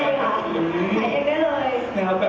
กับเครื่องหน้า